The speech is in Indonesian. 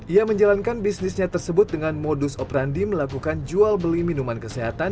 ia menjalankan bisnisnya tersebut dengan modus operandi melakukan jual beli minuman kesehatan